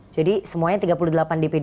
jadi semuanya tiga puluh delapan dpd satu